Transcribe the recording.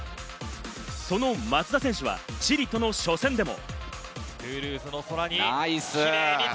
その松田選手は、チリとの初戦でも。